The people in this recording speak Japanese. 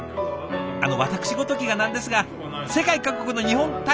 あの私ごときがなんですが世界各国の日本大使の皆さん